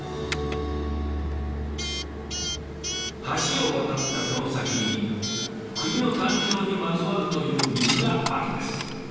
橋を渡ったこの先に国の誕生にまつわるという水があるんです。